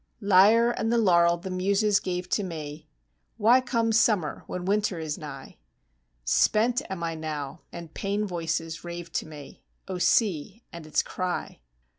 Lyre and the laurel the Muses gave to me, (Why comes summer when winter is nigh!) Spent am I now and pain voices rave to me. (O sea and its cry!)